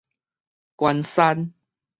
關山